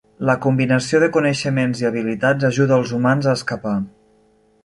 La combinació de coneixements i habilitats ajuda els humans a escapar.